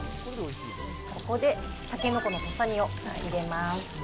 ここでたけのこの土佐煮を入れます。